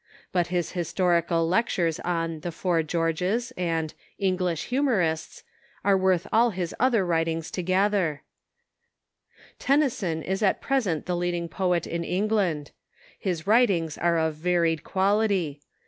But his historical lectures on "The Four Georges" and "English Humorists " are worth all his other writings together, Tenny son is at present the leading poet in England. His writings are of varied quality.